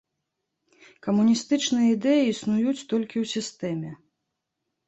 Камуністычныя ідэі існуюць толькі ў сістэме.